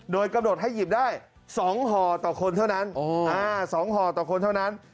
โดยกำหนดให้หยิบได้๒ห่อต่อคนเท่านั้น๒ห่อต่อคนเท่านั้น